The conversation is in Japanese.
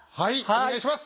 お願いします！